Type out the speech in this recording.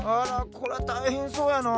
こらたいへんそうやなあ。